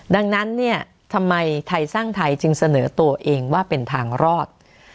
ดังนั้นเนี่ยทำไมไทยสร้างไทยจึงเสนอตัวเองว่าเป็นทางรอด